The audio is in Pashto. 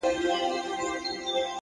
نظم د بریالیتوب خاموش بنسټ دی.!